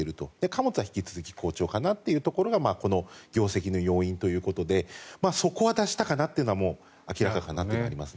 貨物は引き続き好調かなというのがこの業績の要因ということでそこは脱したかなというのが明らかになってます。